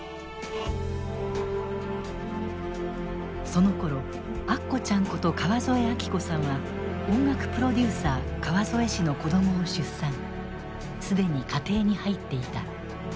そのころアッコちゃんこと川添明子さんは音楽プロデューサー川添氏の子供を出産既に家庭に入っていた。